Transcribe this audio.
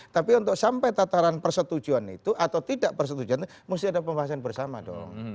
tapi untuk sampai tataran persetujuan itu atau tidak persetujuan itu mesti ada pembahasan bersama dong